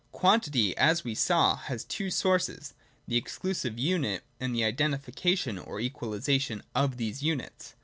100. J Quantity, as we saw, has two sources : the exclusive unit, and the identification or equalisation of these units.